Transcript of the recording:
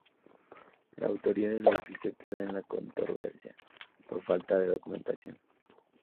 La autoría del edificio queda en la controversia, por falta de documentación.